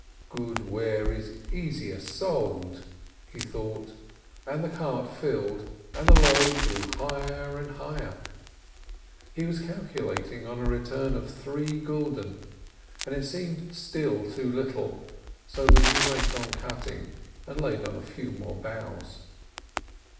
"Good ware is easier sold," he thought, and the cart filled, and the load grew higher and higher. He was calculating on a return of three gulden, and it seemed still too little, so that he went on cutting, and laid on a few more boughs.